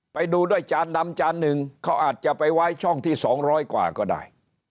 ไปดูด้วยจานดำจานหนึ่งเขาอาจจะไปไว้ช่องที่๒๐๐กว่าก็ได้